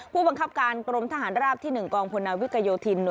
ผู้บังคับการกรมทหารราบที่๑กองพลนาวิกโยธิน